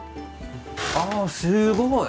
あすごい。